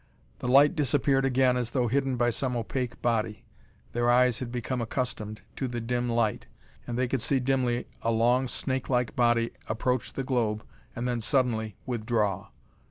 The light disappeared again as though hidden by some opaque body. Their eyes had become accustomed to the dim light and they could dimly see a long snake like body approach the globe and then suddenly withdraw.